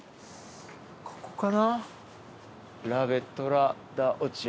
ここかな？